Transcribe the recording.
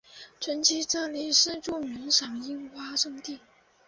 春季这里是著名的赏樱花胜地。